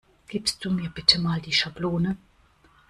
Gibst du mir bitte mal die Schablone?